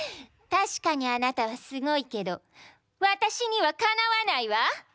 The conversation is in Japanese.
たしかにあなたはすごいけどわたしにはかなわないわ！